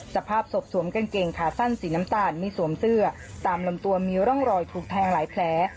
สภาพศพสวมกางเกงขาสั้นสีน้ำตาลไม่สวมเสื้อตามลำตัวมีร่องรอยถูกแทงหลายแผล